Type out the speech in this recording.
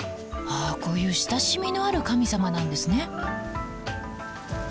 あこういう親しみのある神様なんですね。